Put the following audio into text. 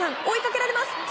追いかけられます。